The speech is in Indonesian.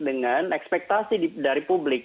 dengan ekspektasi dari publik